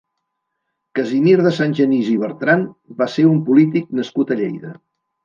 Casimir de Sangenís i Bertrand va ser un polític nascut a Lleida.